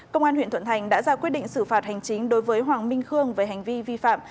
công an huyện thuận thành đã ra quyết định xử phạt hành chính đối với hoàng minh khương về hành vi vi phạm